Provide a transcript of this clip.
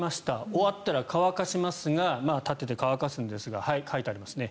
終わったら乾かしますが立てて乾かすんですが書いてありますね